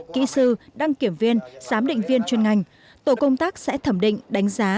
kỹ sư đăng kiểm viên giám định viên chuyên ngành tổ công tác sẽ thẩm định đánh giá